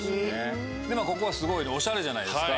ここはすごいオシャレじゃないですか。